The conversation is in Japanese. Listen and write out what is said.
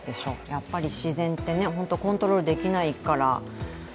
やっぱり自然ってコントロールできないから。